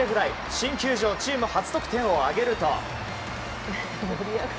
新球場チーム初得点を挙げると。